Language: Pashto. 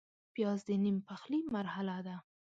پیاز د نیم پخلي مرحله ده